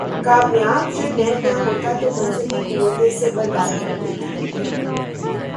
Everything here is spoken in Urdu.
کامیاب جرنیل نہ ہوتا تو مذہبی قوتیں اسے برباد کر دیتیں۔